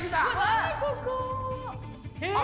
何ここ？